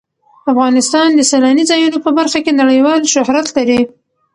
افغانستان د سیلانی ځایونه په برخه کې نړیوال شهرت لري.